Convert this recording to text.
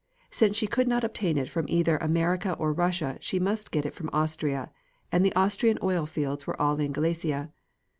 Since she could not obtain it from either America or Russia she must get it from Austria, and the Austrian oil fields were all in Galicia.